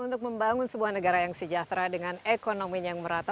untuk membangun sebuah negara yang sejahtera dengan ekonominya yang merata